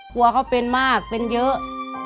กลัวเขาเป็นมากเป็นเยอะ